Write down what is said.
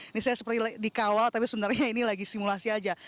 ini saya seperti dikawal tapi sebenarnya ini lagi simulasi aja